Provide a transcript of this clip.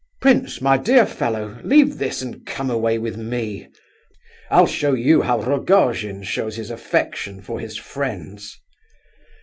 "Prince, my dear fellow, leave this and come away with me. I'll show you how Rogojin shows his affection for his friends."